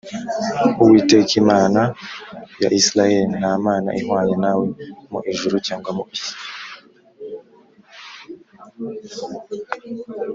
uwiteka mana ya isirayeli, nta mana ihwanye nawe mu ijuru cyangwa mu isi